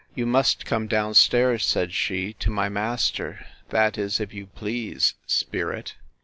You must come down stairs, said she, to my master; that is, if you please, spirit!